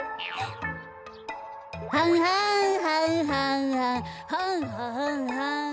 ははんはんはんはんはんははんはん。